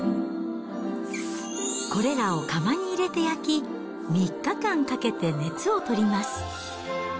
これらを窯に入れて焼き、３日間かけて熱を取ります。